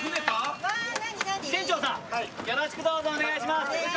船長さん、よろしくどうぞお願いします。